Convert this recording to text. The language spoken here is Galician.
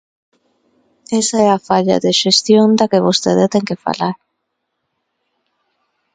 Esa é a falla de xestión da que vostede ten que falar.